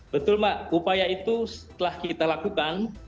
betul mbak upaya itu setelah kita lakukan